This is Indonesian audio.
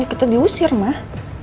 ya kita diusir mah